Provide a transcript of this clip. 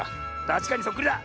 たしかにそっくりだ。